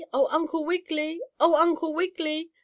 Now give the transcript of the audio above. Oh, Uncle Wiggily! Oh, Uncle Wiggily!"